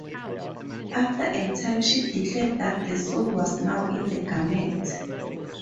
After a time she declared that the soul was now in the garment.